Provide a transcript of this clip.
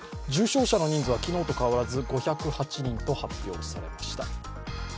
重症者の人数は昨日と変わらず５０８人と発表されました。